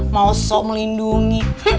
mau sok melindungi